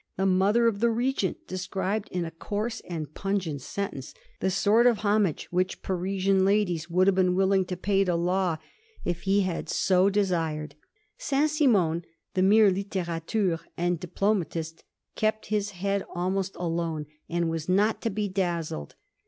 The mother of the Regent described in a coarse and pungent sentence the sort of homage which Parisian ladies would have been willing to pay to Law if he had so Digiti zed by Google 1710 20. THE SOUTH SEA COMPANY. 243 desired. St. Simon, the mere litterateur and diploma tist, kept his head almost alone, and was not to be dazzled.